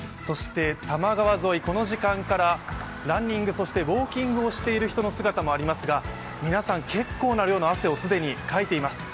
多摩川、この時間からランニング、ウォーキングをしている人の姿もありますが皆さん、結構な量の汗を既にかいています。